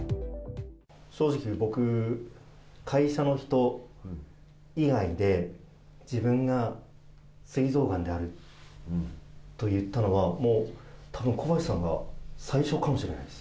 正直、僕、会社の人以外で、自分がすい臓がんであると言ったのは、もうたぶん、小橋さんが最初かもしれないです。